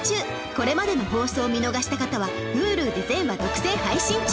これまでの放送を見逃した方はＨｕｌｕで全話独占配信中